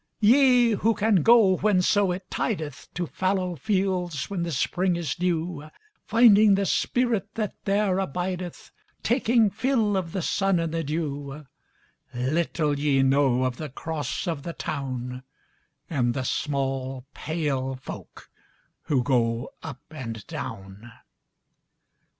Ye who can go when so it tidethTo fallow fields when the Spring is new, Finding the spirit that there abideth, Taking fill of the sun and the dew; Little ye know of the cross of the townAnd the small pale folk who go up and down.